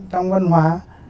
trong văn hóa